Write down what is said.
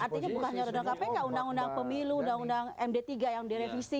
artinya bukannya undang undang kpk undang undang pemilu undang undang md tiga yang direvisi